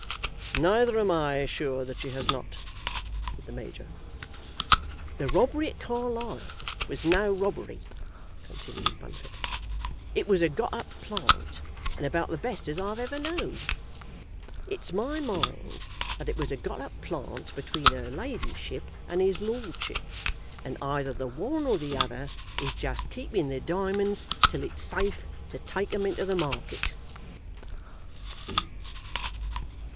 "Neither am I sure that she has not," said the major. "The robbery at Carlisle was no robbery," continued Bunfit. "It was a got up plant, and about the best as I ever knowed. It's my mind that it was a got up plant between her ladyship and his lordship; and either the one or the other is just keeping the diamonds till it's safe to take 'em into the market."